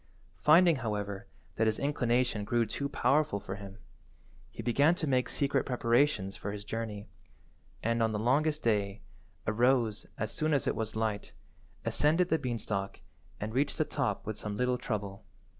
Finding, however, that his inclination grew too powerful for him, he began to make secret preparations for his journey, and, on the longest day, arose as soon as it was light, ascended the beanstalk, and reached the top with some little trouble.